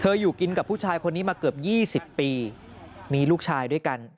อยู่กินกับผู้ชายคนนี้มาเกือบ๒๐ปีมีลูกชายด้วยกัน